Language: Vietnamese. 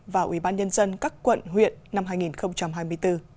và ủy ban nhân dân các quận huyện năm hai nghìn hai mươi bốn